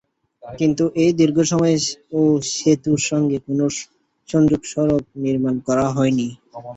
কিন্তু এই দীর্ঘ সময়েও সেতুর সঙ্গে কোনো সংযোগ সড়ক নির্মাণ করা হয়নি।